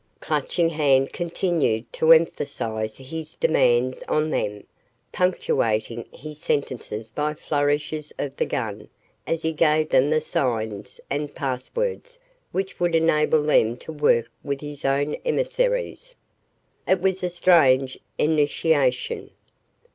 Clutching Hand continued to emphasize his demands on them, punctuating his sentences by flourishes of the gun as he gave them the signs and passwords which would enable them to work with his own emissaries. It was a strange initiation.